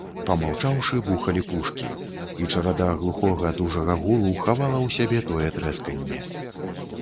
Памаўчаўшы, бухалі пушкі, і чарада глухога, дужага гулу хавала ў сябе тое трэсканне.